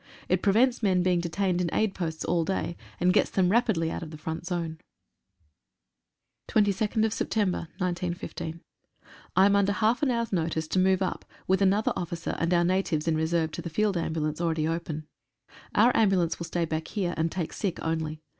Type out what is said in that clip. It prevents men being detained in aid posts all day, an:! gets them rapidly out of the front zone. 117 A BIG ATTACK. 22/9/15. ^jf AM under half an hour's notice to move up with J§ another officer and our natives in reserve to the Field Ambulance already open. Our ambulance will stay back here, and take sick only.